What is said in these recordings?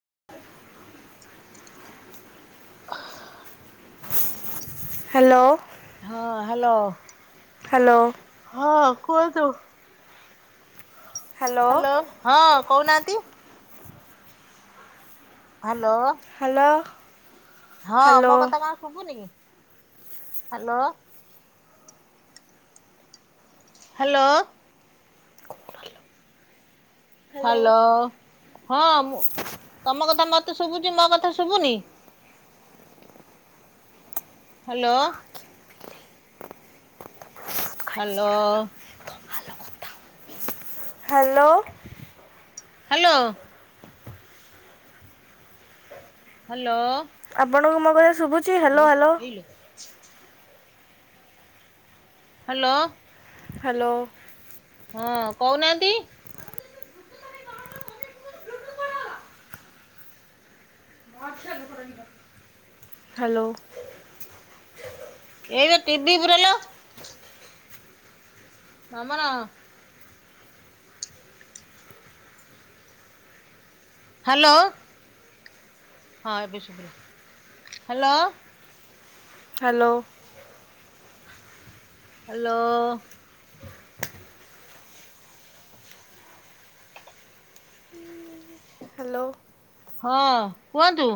[inaudible] Hello. ହଁ, hello hello ହଁ କୁହନ୍ତୁ। ହ୍ୟାଲୋ ହଁ କହୁନାହାନ୍ତି। ହ୍ୟାଲୋ। ହାଲୋ। ହଁ ମୋ କଥା କଣ ଶୁଭୁନି ହାଲୋ। ହାଲୋ। ହ୍ୟାଲୋ। ହାଲୋ ହଁ ମୁଁ ତମ କଥା ମତେ ଶୁଭୁଚି ମୋ କଥା ଶୁଭୁନି। Hello. Hello. Hello. Hello. Hello. ଆପଣଙ୍କୁ ମୋ କଥା ଶୁବ ଏ ଏଇଲୋ। ହଲୋ। ହାଲୋ। ହଁ କୋଉନାହାନ୍ତି। [unintelligible] ହାଲୋ। ଏଇପା ଟିଭି ବୁରାଲୋ। ମାମନା। ହାଲୋ। ହଁ ଏବେ ଶୁବିଲା ହାଲୋ। ହାଲୋ। ହାଲୋ। ହାଲୋ। ହଁ କୁହନ୍ତୁ।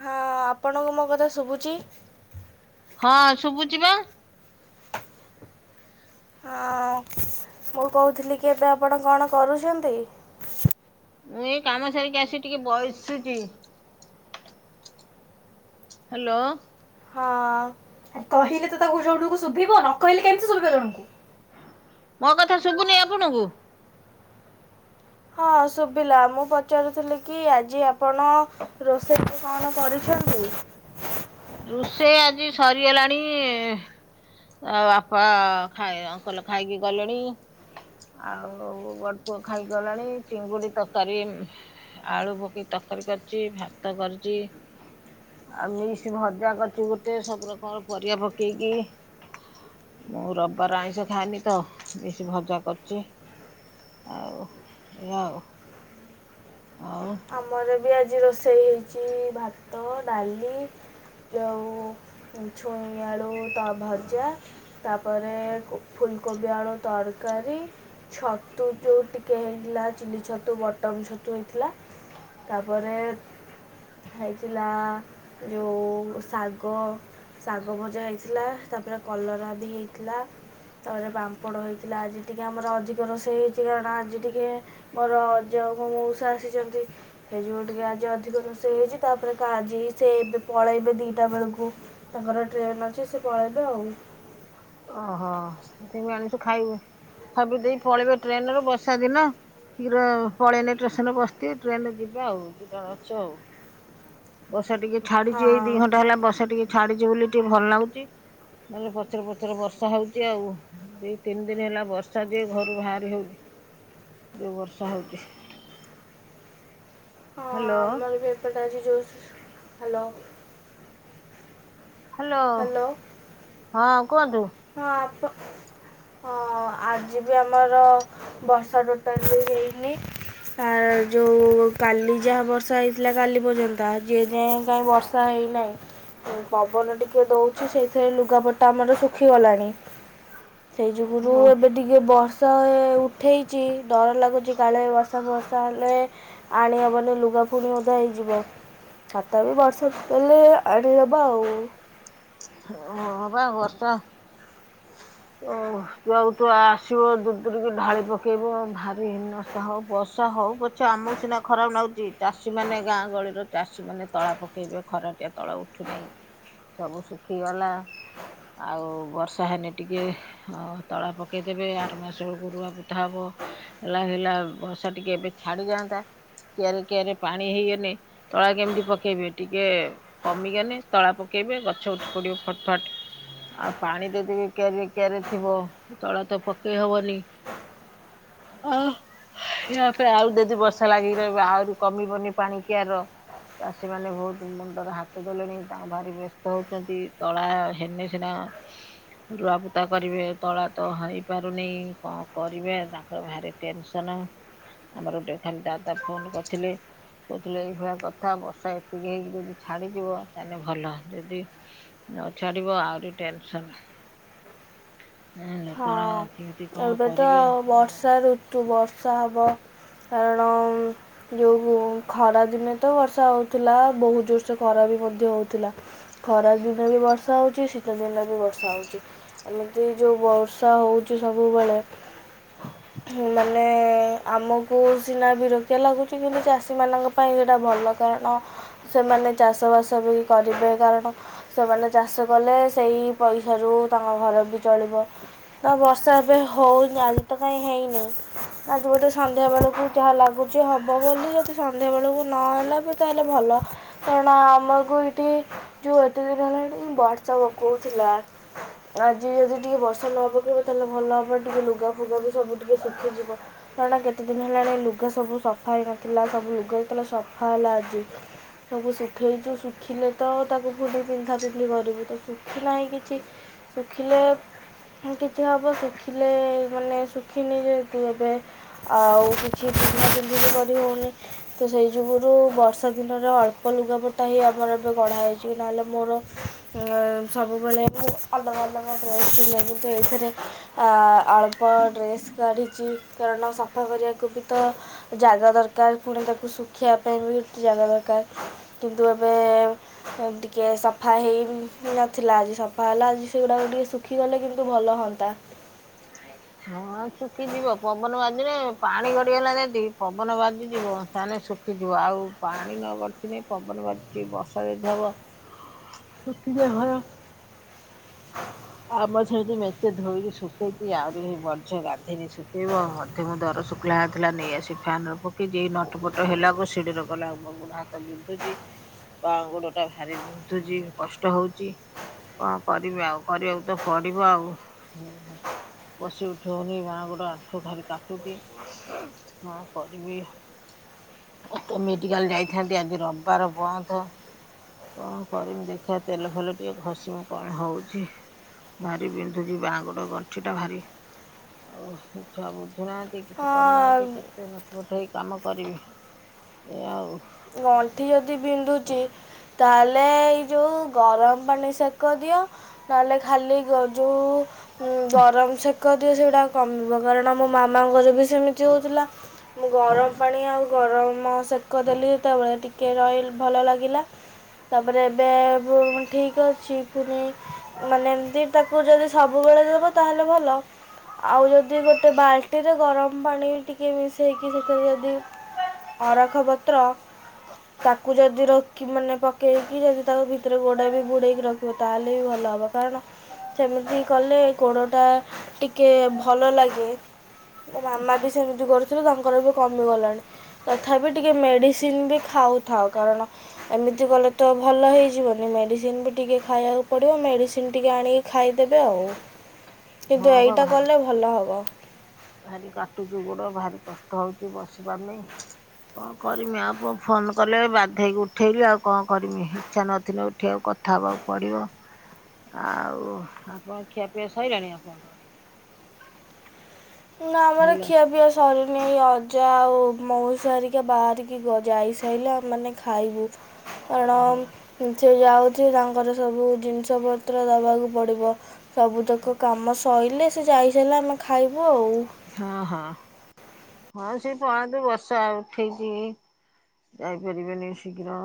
ହଁ ଆପଣଙ୍କୁ ମୋ କଥା ଶୁବୁଚି? ହଁ ଶୁବୁଚି ପା। ହଁ ମୁଁ କୋହୁଥିଲି କି ଏବେ ଆପଣ କଣ କରୁଚନ୍ତି? ମୁଁ ଏଇ କାମ ସାରିକି ଆସି ଟିକେ ବ‌ଇସିଚି। ହାଲୋ। ହଁ କହିଲେ ତ ତାକୁ ଜଣକୁ ଶୁଭିବ ନ କହିଲେ କେମିତି ଶୁଭିବ ତାଙ୍କୁ। ମୋ କଥା ଶୁବୁନି ଆପଣଙ୍କୁ? ହଁ ଶୁବିଲା ମୁଁ ପଚାରୁଥିଲି କି ଆଜି ଆପଣ ରୋଷେଇକୁ କଣ କରିଛନ୍ତି? ରୁଷେଇ ଆଜି ସରିଗଲାଣି। ଆଉ ବାପା ଖାଇ ଅଙ୍କଲ ଖାଇକି ଗଲେଣି। ଆଉ ବଡପଅ ଖାଇଗଲାଣି ଚିଙ୍ଗୁଡି ତରକାରୀ ଆଳୁ ପକେଇ ତରକାରୀ କରିଚି ଭାତ କରିଚି ଆଉ ଏଇ [unintelligible] ଭଜା କରିଚି ଗୋଟେ ସବୁ ରକମର ପରିବା ପକେଇକି। ମୁଁ ରବିବାର ଆଇଁଷ ଖାଏନି ତ ବେଶି ଭଜା କରିଚି। ଆଉ ଏଇଆ ଆଉ। ଆମର ବି ଆଜି ରୋଷେଇ ହେଇଚି ଭାତ, ଡାଲି ଯୋଉ ଛୁଇଁ ଆଳୁ ତ ଭଜା। ତାପରେ କୁ ଫୁଲକୋବି ଆଳୁ ତରକାରୀ। ଛତୁ ଯୋଉ ଟିକେ ହେଇଥିଲା ଚିଲି ଛତୁ, ବଟମ ଛତୁ ହେଇଥିଲା। ତାପରେ ହେଇଥିଲା ଯୋଉ ଶାଗ। ଶାଗ ଭଜା ହେଇଥିଲା ତାପରେ କଲରା ବି ହେଇଥିଲା। ତାପରେ ପାମ୍ପଡ ହେଇଥିଲା ଆଜି ଟିକେ ଆମର ଅଧିକ ରୋଷେଇ ହେଇଚି କାରଣ ଆଜି ଟିକେ ମୋର ଯୋଉ ମୋ ମୋଉଷା ଆସିଚନ୍ତି। ହେଇ ଯୋଗୁ ଟିକେ ଆଜି ଅଧିକ ରୋଷେଇ ହେଇଚି ତାପରେ ଆଜି ସେ ଏବେ ପଳେଇବେ ଦିଟା ବେଳକୁ। ତାଙ୍କର ଟ୍ରେନ ଅଛି ସେ ପଳେଇବେ ଆଉ। ଓହୋ ସେଥିପାଇଁ ଆଣିଚୁ ଖାଇବେ ଖାଇପିଇ ଦେଇ ପଳେଇବ ଟ୍ରେନରେ ବର୍ଷା ଦିନ। ଶୀଘ୍ର ପଳେଇନି ଷ୍ଟେସନ ରେ ବସିଥିବ ଟ୍ରେନରେ ଯିବେ ଆଉ ଯ ଅଛି ଆଉ [inaudible] ବର୍ଷା ଟିକେ ହଁ ଛାଡିଛି, ଏଇ ଦି ଘଣ୍ଟା ହେଲା ବର୍ଷା ଟିକେ ଛାଡିଛି ବୋଲି ଟିକେ ଭଲ ଲାଗୁଛି ନହେଲେ ପଚର ପ ଏଥର ବର୍ଷା ହେଉଛି ଆଉ, ଦୁଇ ତିନି ଦିନ ହେଲା ବର୍ଷା ଦିଏ ଘରୁ ବାହାରି ହେଉନି। ଯୋଉ ବର୍ଷା ହେଉଛି। ହାଲୋ [unintelligible] ହାଲୋ ହାଲୋ, ହ୍ୟାଲୋ ହଁ କୁହନ୍ତୁ? ହଁପା ହ ଆଜି ବି ଆମର ବର୍ଷା ଟୋଟାଲ ବି ହେଇନି। ଆ ଯୋଉ କାଲି ଯାହା ବର୍ଷା ହେଇଥିଲା କାଲି ପର୍ଯ୍ୟନ୍ତ, ଯିଏ ଯାଏ କ ବର୍ଷା [unintelligible] ହେଇନାହିଁ ପବନ ଟିକେ ଟିକେ ଦଉଛି ସେଇଥିରେ ଲୁଗାପଟା ଆମର ଶୁଖିଗଲାଣି, ସେଇ ଯୁଗୁରୁ ହଁ ଏବେ ଟିକେ ବର୍ଷା ଉଠେଇଛି, ଡର ଲାଗୁଛି କାଳେ ବର୍ଷା ବର୍ଷା ହେଲେ ଆଣିହବନି, ଲୁଗା ପୁଣି ଓଧା ହେଇଯିବ। ଛତା ବି ବର୍ଷା ଦେଲେ ଆଣିଦେବା ଆଉ ହଁ ପା ବର୍ଷା ତ ତୁ ଆଉ ତୁ ଆସିବ ଦୂର ଦୂର କି ଢାଳି ପକେଇବ ଭାରି ହିନସ୍ତା ହଉ ବର୍ଷା ହଉ ଆଛା ଆମକୁ ସିନା ଖରାପ ନାଗୁଛି, ଚାଷୀ ମାନେ ଗାଁ ଗହଳିର ଚାଷୀ ମ ତଳା ପକେଇବେ ଖରାଟିଆ ତଳି ଉଠୁ ନାହି, ସବୁ ଶୁଖିଗଲା ଆଉ ବର୍ଷା ତାହାନେ ଟିକିଏ ତଳା ପକାଇଦେବେ ଆର ମାସ ବେଳକୁ ରୁୁଆ ପୋତା ହେବ। ହେଲା ହେଲା, ବର୍ଷା ଟିକେ ଏବେ ଛାଡିଯାଆନ୍ତା କିଆରି କିଆରି ପାଣି ହେଇଗନେ ତଳା କେମିତି ପକେଇବେ ଟିକେ କମଗଲେ, ତଳା ପକେଇବେ, ଗଛ ଉଠି ପଡିବ ଫଟ ଫଟ, ଆଉ ପାଣି ଦ କିଆରିଏ କିଆରିଏ ଥିବ ତଳେ ତ ପକେଇ ହବନି ଆ ପରେ ଆଉ ଯଦି ବର୍ଷା ଲାଗିକ ରହିବ ଆହୁରି କମିବନି ପାଣି କିଆର ଚାଷୀମାନେ ବହୁତ ମୁଣ୍ଡରେ ହାତ ଦେଲେଣି ତାଙ୍କ ଭାରି ବ୍ୟସ୍ତ ହଉଛନ୍ତି, ତଳା ହେନେ ସିନା ରୁଆବୁତା କରିବେ, ତଳା ତ ହେଇପାରୁନି କଣ କରିବେ? ତାଙ୍କର ଭାରି ଟେନସନ ଆମର ଗୋଟେ ଖାଲି ଦାଦା ଫୋନ କରିଥିଲେ। କହୁଥିଲେ ଏଇଭଳିଆ କଥା, ବର୍ଷା ଏତିିକି ହେଇକି ଯଦି ଛାଡିଯିବ ତାହେଲେ ଭଲ ଯଦି ନଛାଡିବ ଆହୁରି ଟେନସନ ହଁ ଲୋତଡ଼ା କେମିତି ହଁ କଣ କରିବେ? ଯଦି ବର୍ଷା ହେବ କାରଣ ଯୋଉ ଖରା ଦିନେ ତ ବର୍ଷା ହଉଥିଲା, ବହୁତ ଜୋର ସେ ଖରା ବି ମଧ୍ୟ ହଉଥିଲା। ଖରାଦିନରେ ବି ବର୍ଷା ହେଉଛି, ଶୀତ ଦିନରେ ବି ବର୍ଷା ହେଉଛି, ଏମିତି ଯେଉଁ ବ ବର୍ଷା ହଉଛି ସବୁବେଳେ [unintelligible] ମାନେ ଆମକୁ ସିନା ବିରକ୍ତିଆ ଲାଗୁଛି, କିନ୍ତୁ ଚାଷୀମାନଙ୍କ ପାଇଁ ସେଇଟା ଭଲ କାରଣ ସେମାନେ ଚାଷ ବାସ ବି କରିବେ କାରଣ ସେମାନେ ଚାଷ କଲେ ସେଇ ପଇସାରୁ ତାଙ୍କ ଘର ବି ଚଳିବ। ତ ବର୍ଷା ଏବେ ହେଉନି, ଆଜି ତ କାହିଁ ହେଇନାହିଁ, ଆଜିବୋଧେ ସନ୍ଧ୍ୟାବେେଳକୁ ଯାହା ଲାଗୁଛି ହେବ ବୋଲି, ଯଦି ସନ୍ଧ୍ୟାବେେଳକୁ ନହଲା ବି ତାହେଲେ ଭଲ। କାରଣ ଆମକୁ ଏଇଠି ଯୋଉ ଏତେ ଦିନ ହେଲା ଏ ବର୍ଷା ପକଉଥିଲା। ଆଜି ଯଦି ଟିକେ ବର୍ଷା ନ ପକେଇବ ତାହେଲେ ଭଲ ହବ, ଟିକେ ଲୁଗା ଫୁଗା ବି ସବୁ ଟିକେ ଶୁଖିଯିବ। କାରଣ କେତେ ଦିନ ହେଲାଣି ଲୁଗା ସବୁ ସଫା ହେଇନଥିଲା ସବୁ ଲୁଗା ହେଇଥିଲା ସଫା ହେଲା ଆଜି। ସବୁ ଶୁଖେଇଛୁ ଶୁଖିଲେ ତ ତାକୁ ଫୁଲି ପିନ୍ଧା ପିନ୍ଧି କରିବୁ, ତ ଶୁଖିଲାହିିଁ କିଛି ଶୁଖିଲେ କିଛି ହବ, ଶିଖିଲେ ମାନେ ଶୁଖିନି ଯେହତୁ ଏବେ ଆଉ କିଛି ପିନ୍ଧା ପିନ୍ଧି ବି କରି ହଉନି। ତ ସେଇ ଯୁଗୁରୁ ବର୍ଷା ଦିନରେ ଅଳ୍ପ ଲୁଗାପଟା ହିଁ ଆମର ଏବେ ବଢ଼ା ହୋଇଛି ନହେଲେ ମୋର ସବୁବେଳେ ମୁ ଅଲଗା ଅଲଗା ଡ୍ରେସରୁ ଏଥିରେ ଆ ଅଳ୍ପ ଡ୍ରେସ୍ କାଢିଛି କାରଣ ସଫା କରିବାକୁ ବି ତ ଜାଗା ଦରକାର ପୁଣି ତାକୁ ଶୁଖେଇିବା ପାଇଁ ବି ଏ ଜାଗା ଦରକାର। କିନ୍ତୁ ଏବେ ଟିକେ ସଫା ହେଇ ନଥିଲା ଆଜି ସଫା ହେଲା ଆଜି ସେଗୁଡାକ ଟିକେ ଶୁଖିଗଲେ କିନ୍ତୁ। ଭଲ ହୁଅନ୍ତା। ହଁ ଶୁଖିଯିବ ପବନ ବାଜିଲେ ପାଣି ଗଡିଗଲା ଯେଦି ପବନ ବାଜି ଯିବ। ତାହାନେ ଶୁଖିଯିବ ଆଉ ପାଣି ନ ବଡ଼ିଥିବେ ପବନ ବାଜିଛି ବର୍ଷା ଯଦି ହେବ [inaudible] [unintelligible] ଆମ ସେମିତି ମେଚେ ଧୋଇକି ଶୁଖେଇଛି ଆହୁରି ବର୍ଜ ଗାଧେଇକି ଶୁଖେଇବ ହ ଏତେ ମଁ ଦର ଶୁଖ୍ଲା ହାତ ଥିଲା ନେଇ ଆସି ଫାନରେ ପକି ଯ ନଟପଟ ହେଲାକୁ ସିଡ଼ିରେ ଗଲା ମ ବ ଗୁଡ଼ା ବିନ୍ଧୁଛି ବା ଗୋଡ ଟା ଭାରି ବିନ୍ଧୁଛି କଷ୍ଟ ହଉଛି। କରିବେ ଆଉ କରିବାକୁ ତ ପଡିବ ଆଉ। ବସି ଉଠି ହଉନି ବା ଗୋଡ ଆଣ୍ଠୁ ଭାରି କାଟୁଛି। ହଁ କରିବି। ମେଡିକାଲ ଯାଇଥାନ୍ତି ଆଜି ରବିବାର ବନ୍ଧ। କଣ କରିମି ଦେଖିବା ତେଲ ଫେଲ ଟିକେ ଘଷିମି। କଣ ହଉଛି ଭାରି ବିନ୍ଧୁଛି ବା ଗଡ଼ ଗଣ୍ଠିଟା ଭାରି ଆଉ ଛୁଆ ବୁଝୁନାହାନ୍ତି କିଛି କରୁନାହାନ୍ତି। ଏତେ ନଠୁପଠ ହେଇ କାମ କରିବି ଏଇଆ ଆଉ। ଗଣ୍ଠି ଯ ଯଦି ବିନ୍ଧୁଛି ତାହେଲେ ଏଇ ଯଉ ଗରମ ପାଣି ସେକ ଦିଅ। ନହେଲେ ଖାଲି ଯୋଉ ଗରମ ସେ ଶିକ ଦିଏ ସେଗଟା କମିବ କାରଣ ଆମ ମାମାଙ୍କର ବି ସେମିତି ହଉଥିଲା। ମୁଁ ଗରମ ପାଣି ଆଉ ଗରମ ସେକ ଦେଲି କେତେବେଳେ ଟିକେ ରହିଲ ଭଲ ଲାଗିଲା। ତାପରେ ଏବେ ଠିକ୍ ଅଛି ପୁଣି ମାନେ ଏମିତି ତାକୁ ଯଦି ସବୁବେଳେ ଦେବ ତାହେଲେ ଭଲ। ଆଉ ଯଦି ଗୋଟେ ବାଲ୍ଟିରେ ଗରମ ପାଣି ଟିକେ ମିଶେଇକି ସେଥିରେ ଯଦି ଅରଖପତ୍ର ତାକୁ ଯଦି ରଖି ମାନେ ପକେଇକି ଯଦି ତାକୁ ଭିତରେ ଗୋଡ ବି ବୁଡେଇକି ରଖି ତାହେଲେ ଭଲ ହେବ କାରଣ ସେମିତି କଲେ ଗୋଡ଼ଟା ଟିକେ ଭଲ ଲାଗେ। ମୋ ମାମା ବି ସେମିତି କରୁଥିଲେ ତାଙ୍କର ବି କମିଗଲାଣି ତଥାପି ଟିକେ ମେଡ଼ିସି ସିନ ବି ଖାଉଥାଉ କାରଣ ଏମିତି କଲେ ତ ଭଲ ହେଇଯିବନି ମେଡ଼ିସିନ ବି ଟିକେ ଖାଇବାକୁ ପଡ଼ିବ ମେଡ଼ିସିନ ଟିକେ ଆଣିକି ଖାଇଦେବେ ଆଉ ହଁ କିନ୍ତୁ ପା ଏଇଟା ଭାରି କଲେ ଭଲ ହବ। ଭାରି କାଟୁଚି ଗୋଡ଼ ଭାରି କଷ୍ଟ ହେଉଛି ବସିବା ପାଇଁ କଣ କରିମି ଆଉ ଫୋନ୍ କଲେ ବାଧୋଇକି ଉଠେଇଲି ଆଉ କଣ କରିମି ଇଚ୍ଛା ନଥିଲେ ଉଠିବାକୁ କଥା ହେବାକୁ ପଡ଼ିବ ଆଉ ଆପଣ ଖିଆପିଆ ସରିଲାଣି ଆପଣଙ୍କର? ନା ଆମର ହ୍ୟାଲୋ। ଖିଆ ପିଆ ସରିନି ନେଇ ଅଜା ଆଉ ମଉ ସାରିକା ବାହାରିକି ଯାଇସାରିଲେ ମାନେ ଖାଇବୁ। ଓହୋ କାରଣ ସେ ଯାଉଛି ତାଙ୍କର ସବୁ ଜିନିଷ ପତ୍ର ଦବାକୁ ପଡିବ। ସବୁତକ କାମ ସଇଲେ ସେ ଯାଇସାରିଲା ଆମେ ଖାଇବୁ ଆଉ। ହଁ ହଁ ହଁ ସେ ପଳାନ୍ତୁ ବର୍ଷା ଉଠେଇଛି। ଯାଇପାରିବେନି ଶୀଘ୍ର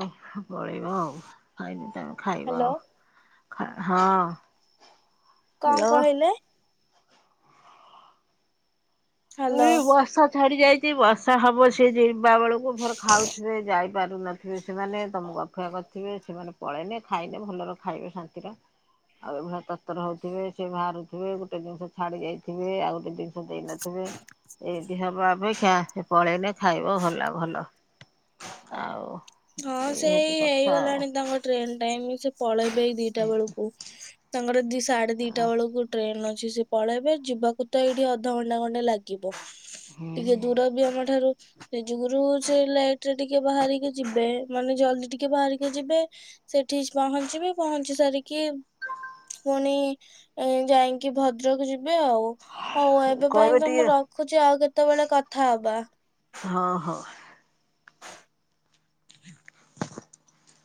ପଳେଇବା ଆଉ। ଖାଇବି ତମେ ଖାଇବ ହ୍ୟାଲୋ ଆଉ ହଁ। କଁ ହ୍ୟାଲୋ। କହିଲେ? ମୁଁ ହ୍ୟାଲୋ କହିଲି ବର୍ଷା ଛାଡି ଯାଇଚି ବର୍ଷା ହବ ସେଇ ଯିବା ବେଳକୁ ଭର ଖାଉଥିବେ ଯାଇ ପାରୁ ନଥିବେ ସେମାନେ ତମକୁ ଅପେକ୍ଷା କରିଥିବେ ସେମାନେ ପଳେଇନେ ଖାଇନେ ଭଲର ଖାଇବେ ଶାନ୍ତିର। ଆଉ ଏ ଭଲିଆ ତରତର ହଉଥିବେ ସେ ବାହାରୁଥିବେ ଗୋଟେ ଜିନିଷ ଛାଡି ଯାଇଥିବେ ଆଉ ଗୋଟେ ଜିନିଷ ଦେଇନ ଥିବେ ଏନ୍ତି ହବା ଅପେକ୍ଷା ପଳେଇଲେ ଖାଇବ ଭଲ ଭଲ। ଆଉ। ହଁ ଏଇ ସେଇ ହଉଛି କଥା ହେଇଗଲାଣି ଆଉ। ତାଙ୍କ ଟ୍ରେନ୍ ଟାଇମ ସେ ପଳେଇ ଇବେ ଦିଟା ବେଳକୁ ତାଙ୍କର ଦି ସାଢେ ଦିଟା ବେଳକୁ ଟ୍ରେନ ଅଛି ସେ ପଳେଇବେ ଯିବାକୁ ତ ଏଇଠି ଅଧଘଣ୍ଟା ଖଣ୍ଡେ ଲାଗିବ ଟିକେ ହୁଁ ଦୂର ବି ଆମଠାରୁ। ସେ ଯୁଗୁରୁ ସେ ଲେଟ ରେ ଟିକେ ବାହାରିକି ଯିବେ ମାନେ ଜଲଦି ଟିକେ ବାହାରିକି ଯିବେ। ସେଠି ପହଞ୍ଚିବେ ପହଞ୍ଚି ସାରିକି ପୁଣି ଏଁ ଯାଇଙ୍କି ଭଦ୍ରକ ଯିବେ ଆଉ। ହଉ ଏବେ କହିବେ ପାଇଁ ତ ଟିକେ ମୁଁ ରଖୁଚି ଆଉ କେତେବେଳେ କଥା ହବା। ହ ହ। [inaudible]